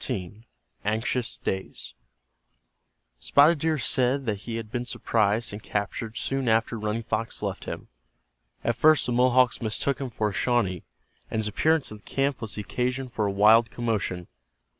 CHAPTER XIV—ANXIOUS DAYS Spotted Deer said that he had been surprised and captured soon after Running Fox left him. At first the Mohawks mistook him for a Shawnee, and his appearance in the camp was the occasion for a wild commotion.